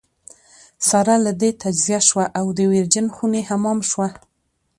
سره له دې تجزیه شوه او د ویرجن خوني حمام شوه.